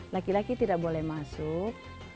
laki laki tidak boleh masuk